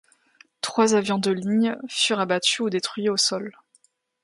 Trois avions de ligne furent abattus ou détruits au sol.